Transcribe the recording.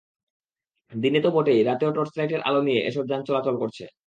দিনে তো বটেই, রাতেও টর্চলাইটের আলো দিয়ে এসব যান চলাচল করছে।